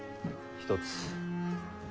一つ。